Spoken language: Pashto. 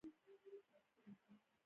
ایا زه باید د هیلۍ غوښه وخورم؟